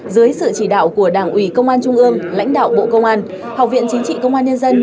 dưới sự chỉ đạo của đảng ủy công an trung ương lãnh đạo bộ công an học viện chính trị công an nhân dân